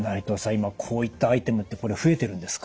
今こういったアイテムってこれ増えてるんですか？